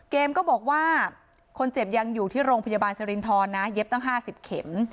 ก็บอกว่าคนเจ็บยังอยู่ที่โรงพยาบาลสิรินทรนะเย็บตั้ง๕๐เข็ม